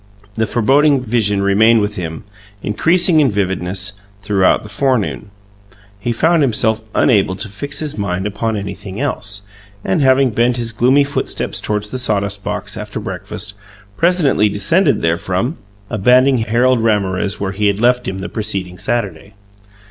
The foreboding vision remained with him, increasing in vividness, throughout the forenoon. He found himself unable to fix his mind upon anything else, and, having bent his gloomy footsteps toward the sawdust box, after breakfast, presently descended therefrom, abandoning Harold Ramorez where he had left him the preceding Saturday.